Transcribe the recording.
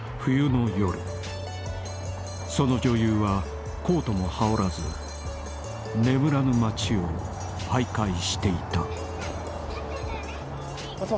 ［その女優はコートも羽織らず眠らぬ街を徘徊していた］